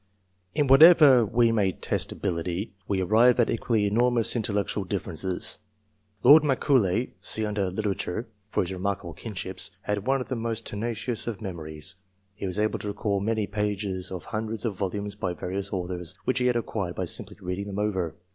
In whatever way we may test ability, we arrive at equally enormous intellectual differences. Lord Macaulay (sec under " LITERATURE " for his remarkable kinships) had one of the most tenacious of memories. He was able to recall many pages of hundreds of volumes by various authors, which he had acquired by simply reading them over.